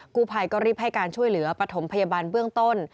กู้ภัยก็รีบให้การช่วยเหลือปฐมพยาบาลเบื้องต้น